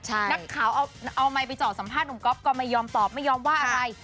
นักข่าวเอาไมค์ไปเจาะสัมภาษณหนุ่มก๊อฟก็ไม่ยอมตอบไม่ยอมว่าอะไร